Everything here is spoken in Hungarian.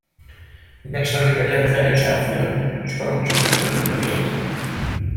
Egy este még a gyertyája is elfogyott, s koromsötétben üldögélt.